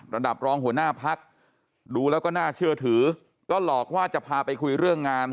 รองหัวหน้าพักดูแล้วก็น่าเชื่อถือก็หลอกว่าจะพาไปคุยเรื่องงาน